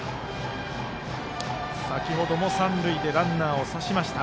先程も三塁でランナーを刺しました。